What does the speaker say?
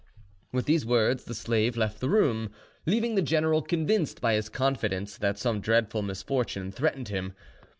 With these words the slave left the room, leaving the general convinced by his confidence that some dreadful misfortune threatened him.